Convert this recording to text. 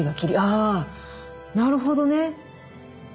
あなるほどね。